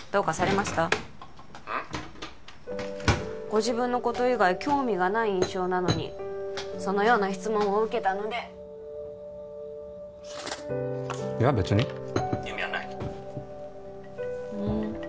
ご自分のこと以外興味がない印象なのにそのような質問を受けたのでいや別に☎意味はないふーん